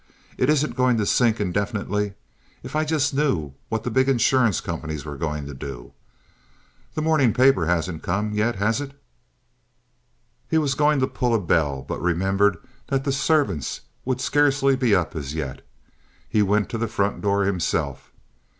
It isn't going to sink indefinitely. If I just knew what the big insurance companies were going to do! The morning paper hasn't come yet, has it?" He was going to pull a bell, but remembered that the servants would scarcely be up as yet. He went to the front door himself.